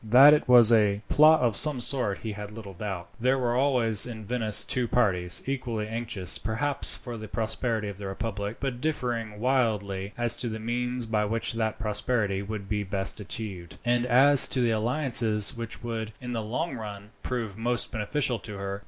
That it was a plot of some sort he had little doubt. There were always in Venice two parties, equally anxious perhaps for the prosperity of the republic, but differing widely as to the means by which that prosperity would be best achieved, and as to the alliances which would, in the long run, prove most beneficial to her.